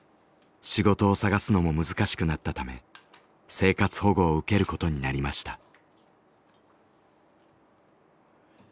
仕事を探すのも難しくなったため生活保護を受けることになりました。